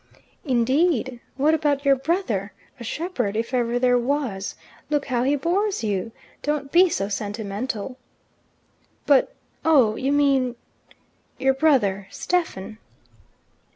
"Indeed! What about your brother a shepherd if ever there was? Look how he bores you! Don't be so sentimental." "But oh, you mean " "Your brother Stephen."